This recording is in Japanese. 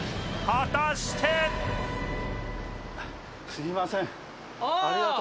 すいません。